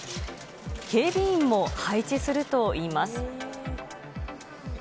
警備員も配置するといいます。